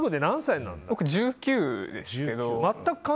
僕１９ですけど。